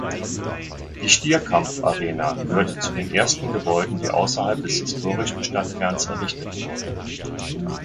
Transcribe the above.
Die Stierkampfarena gehörte zu den ersten Gebäuden die außerhalb des historischen Stadtkerns errichtet wurden.